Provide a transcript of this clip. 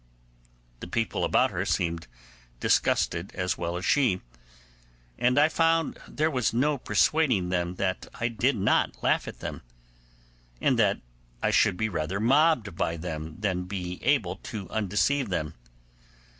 The people about her seemed disgusted as well as she; and I found there was no persuading them that I did not laugh at them, and that I should be rather mobbed by them than be able to undeceive them.